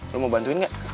lo mau bantuin gak